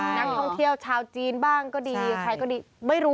นักท่องเที่ยวชาวจีนบ้างก็ดีใครก็ดีไม่รู้